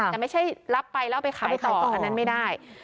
แต่ไม่ใช่รับไปแล้วไปขายต่ออันนั้นไม่ได้